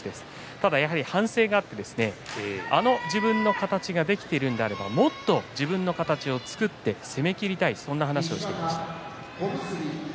ただやはり反省があってあの自分の形ができているのであればもっと自分の形を作って攻めきりたいそんな話をしてくれました。